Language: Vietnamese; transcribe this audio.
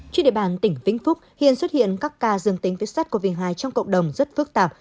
trên địa bàn tỉnh vĩnh phúc hiện xuất hiện các ca dương tính viết sắt covid một mươi chín trong cộng đồng rất phức tạp